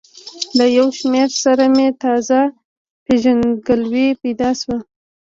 له یو شمېر سره مې تازه پېژندګلوي پیدا شوه.